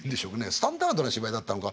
スタンダードな芝居だったのか。